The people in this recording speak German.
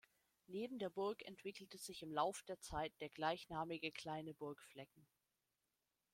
Neben der Burg entwickelte sich im Lauf der Zeit der gleichnamige kleine Burgflecken.